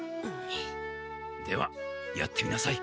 ではやってみなさい。